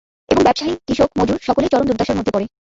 এবং ব্যবসায়ী, কৃষক, মজুর সকলেই চরম দুর্দশার মধ্যে পড়ে।